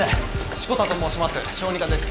志子田と申します小児科です。